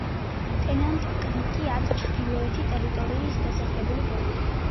ტენანტ-კრიკი არის ჩრდილოეთი ტერიტორიის დასახლებული პუნქტი.